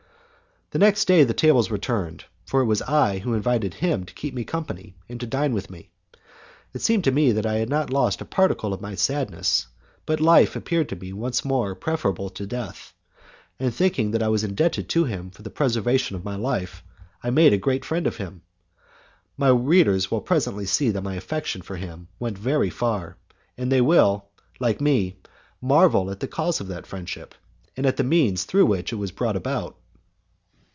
The next day the tables were turned, for it was I who invited him to keep me company and to dine with me. It seemed to me that I had not lost a particle of my sadness, but life appeared to me once more preferable to death, and, thinking that I was indebted to him for the preservation of my life, I made a great friend of him. My readers will see presently that my affection for him went very far, and they will, like me, marvel at the cause of that friendship, and at the means through which it was brought about.